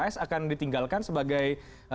pks akan ditinggalkan sebagai